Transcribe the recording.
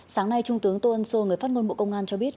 sáng nay trung tướng tô ân sô người phát ngôn bộ công an cho biết